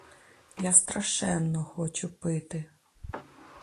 Я страшенно хочу пити.